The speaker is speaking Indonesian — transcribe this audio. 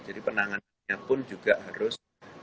jadi penanganannya pun juga harus